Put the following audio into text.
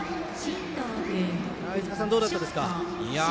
飯塚さん、どうだったですか？